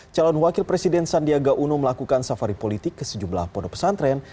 calon wakil presiden sandiaga uno melakukan safari politik ke sejumlah pondok pesantren